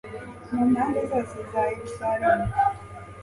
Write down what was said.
mu mpande zose za yeruzalemu